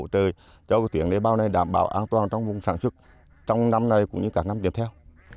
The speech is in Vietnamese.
tuyến đề bào này đảm bảo an toàn trong vùng sản xuất trong năm nay cũng như cả năm tiếp theo